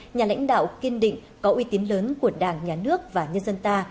nhà lãnh đạo kiên định có uy tín lớn của đảng nhà nước và nhân dân ta